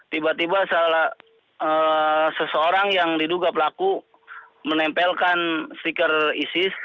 tiba tiba seseorang yang diduga pelaku menempelkan stiker isis